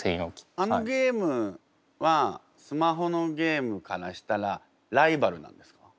あのゲームはスマホのゲームからしたらライバルなんですか？